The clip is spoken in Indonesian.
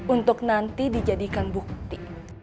untuk nanti dijadikan bukti